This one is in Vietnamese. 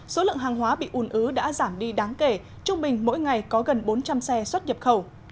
số lượng hàng hóa bị ùn ứ đã giảm đi đáng kể trung bình mỗi ngày có gần bốn trăm linh xe xuất nhập khẩu